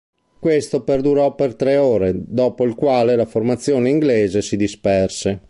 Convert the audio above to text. Questo perdurò per tre ore, dopo il quale la formazione inglese si disperse.